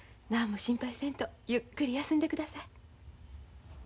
何も心配せんとゆっくり休んでください。